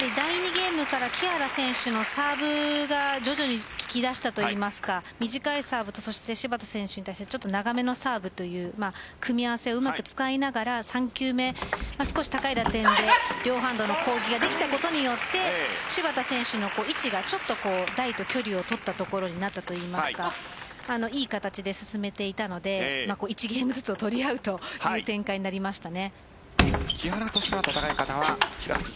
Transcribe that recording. ゲームから木原選手のサーブが徐々に効きだしたといいますか短いサーブと芝田選手に対して長めのサーブという組み合わせをうまく使いながら３球目、少し高い打点で両ハンドの攻撃ができたことによって芝田選手の位置が台と距離を取ったところになったといいますかいい形で進めていたので１ゲームずつを取り合うという展開になりました。